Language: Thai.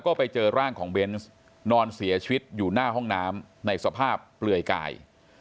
ก็ไปเจอร่างของเบนส์นอนเสียชีวิตอยู่หน้าห้องน้ำในสภาพเปลือยกาย